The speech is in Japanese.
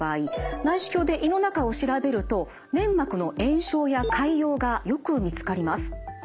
内視鏡で胃の中を調べると粘膜の炎症や潰瘍がよく見つかります。